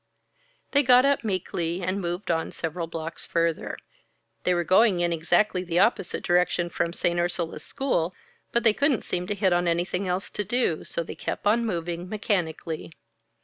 They got up, meekly, and moved on several blocks further. They were going in exactly the opposite direction from St. Ursula's school, but they couldn't seem to hit on anything else to do, so they kept on moving mechanically.